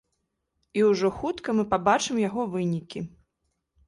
І ўжо хутка мы пабачым яго вынікі.